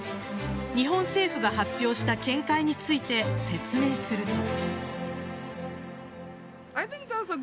日本政府が発表した見解について説明すると。